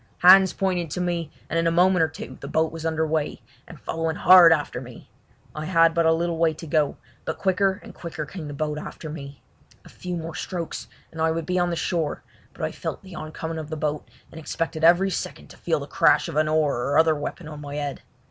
Hands pointed to me, and in a moment or two the boat was under weigh, and following hard after me. I had but a little way to go, but quicker and quicker came the boat after me. A few more strokes and I would be on the shore, but I felt the oncoming of the boat, and expected each second to feel the crash of an oar or other weapon on my head.